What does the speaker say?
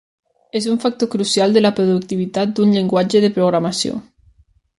És un factor crucial de la productivitat d'un llenguatge de programació.